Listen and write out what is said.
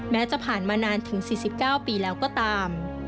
จะผ่านมานานถึง๔๙ปีแล้วก็ตาม